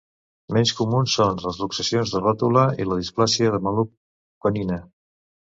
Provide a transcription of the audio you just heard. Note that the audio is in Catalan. Menys comuns són les luxacions de ròtula i la displàsia de maluc canina.